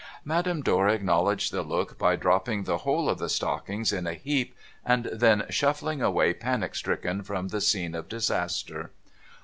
Madame Dor acknow ledged the look by dropping the whole of the stockings in a heap, and then shuffling away panic stricken from the scene of disaster.